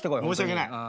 申し訳ない。